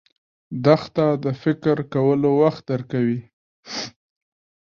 دښته د فکر کولو وخت درکوي.